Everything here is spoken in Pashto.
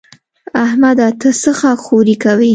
احمده! ته څه خاک ښوري کوې؟